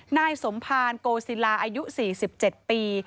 นายสมภารโกศิลาอายุ๔๗ปี